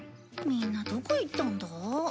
みんなどこ行ったんだ？